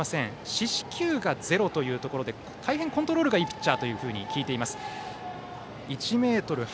四死球がゼロということでコントロールがいいピッチャーと聞いています。